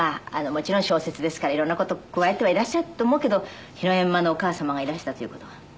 もちろん小説ですから色んな事を加えてはいらっしゃると思うけど丙午のお母様がいらしたという事が。